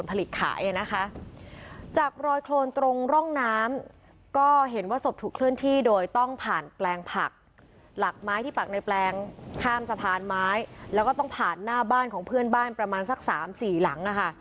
หลักไม้ที่ปากในแปลงข้ามสะพานไม้แล้วก็ต้องผ่านหน้าบ้านของเพื่อนบ้านประมาณสักสามสี่หลังนะคะ